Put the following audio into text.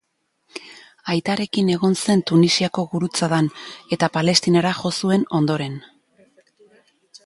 Aitarekin egon zen Tunisiako gurutzadan eta Palestinara jo zuen ondoren.